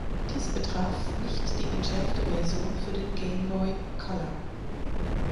Dies betraf nicht die entschärfte Version für den Game Boy Color.